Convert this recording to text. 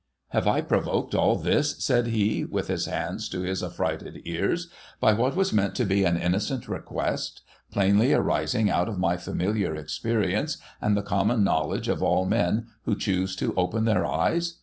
' Have I provoked all this,' said he, with his hands to his affrighted ears, ' by what was meant to be an innocent request, plainly arising out of my familiar experience, and the common knowledge of all men who choose to open their eyes